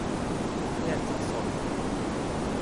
เครียดสะสม